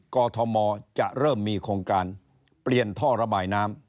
กอทมจะเริ่มมีโครงการเปลี่ยนท่อระบายน้ำ